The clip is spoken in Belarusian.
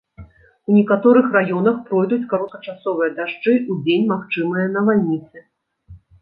У некаторых раёнах пройдуць кароткачасовыя дажджы, удзень магчымыя навальніцы.